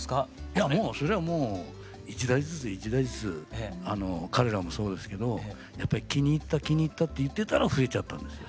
いやそりゃもう１台ずつ１台ずつ彼らもそうですけどやっぱり気に入った気に入ったって言ってたら増えちゃったんですよ。